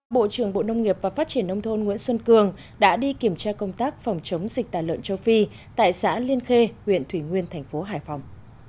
bộ trưởng bộ nông nghiệp và phát triển nông thôn nguyễn xuân cường đã đi kiểm tra công tác phòng chống dịch tả lợn châu phi tại xã liên khê huyện thủy nguyên thành phố hải phòng